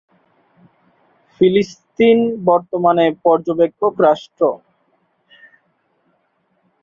ফিলিস্তিন বর্তমানে পর্যবেক্ষক রাষ্ট্র।